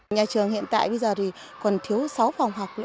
nhà trường hiện tại bây giờ thì còn thiếu sáu phòng học nữa